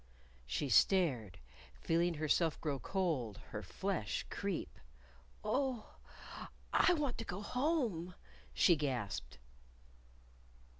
_ She stared, feeling herself grow cold, her flesh creep. "Oh, I want to go home!" she gasped.